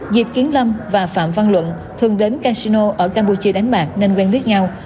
diệp kiến lâm và phạm văn luận thường đến casino ở campuchia đánh bạc nên quen biết nhau